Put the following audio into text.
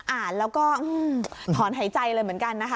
อ่านแล้วก็ถอนหายใจเลยเหมือนกันนะคะ